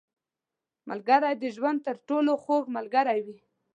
• ملګری د ژوند تر ټولو خوږ ملګری وي.